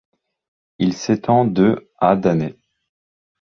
Il s'étend de à d'années.